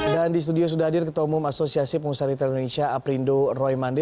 dan di studio sudah hadir ketumum asosiasi pengusaha retail indonesia aprindo roy mande